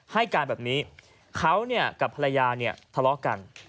ให้การแบบนี้เขาเนี่ยกับภรรยาเนี่ยทะเลาะกัน